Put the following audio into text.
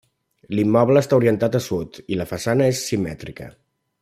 L'immoble està orientat a sud i la façana és simètrica.